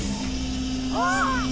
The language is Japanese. あっ！